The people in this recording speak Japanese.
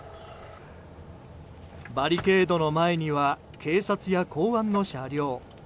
バリケードの前には警察や公安の車両。